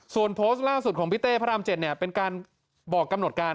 ส่วนโปสเตอร์ล่าสุดของพี่เต้พระอำเจ็ดเนี่ยเป็นการบอกกำหนดการ